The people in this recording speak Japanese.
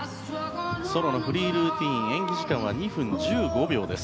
ソロのフリールーティン演技時間は２分１５秒。